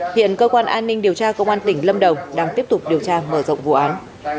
hiện cơ quan an ninh điều tra công an tỉnh lâm đồng đang tiếp tục điều tra mở rộng vụ án